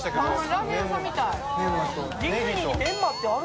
ラーメン屋さんみたい。